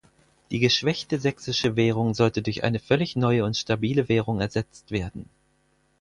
Die geschwächte sächsische Währung sollte durch eine völlig neue und stabile Währung ersetzt werden.